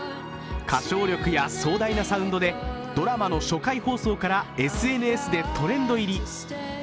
歌唱力や壮大なサウンドでドラマの初回放送からＳＮＳでトレンド入り。